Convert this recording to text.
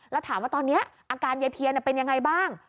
แล้วถามว่าตอนนี้อาการยายเพียนเป็นยังไงบ้าง